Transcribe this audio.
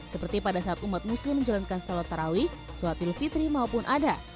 seperti pada saat umat muslim menjalankan salat tarawih suat ilfitri maupun ada